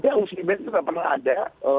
tidak ada muslim ban itu tidak pernah ada